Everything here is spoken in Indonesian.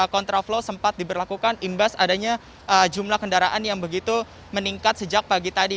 kontraflow sempat diberlakukan imbas adanya jumlah kendaraan yang begitu meningkat sejak pagi tadi